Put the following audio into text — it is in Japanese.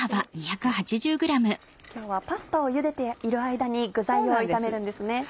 今日はパスタをゆでている間に具材を炒めるんですね。